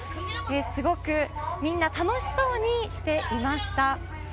すごくみんな楽しそうにしていました。